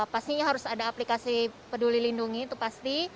pastinya harus ada aplikasi peduli lindungi itu pasti